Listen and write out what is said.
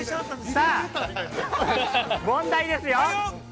さあ、問題ですよ。